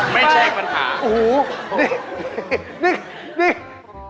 ไม่ใช่ปัญหาโอ้โหนี่นี่